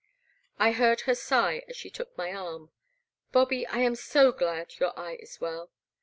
I heard her sigh as she took my arm; Bobby, I am so glad your eye is well.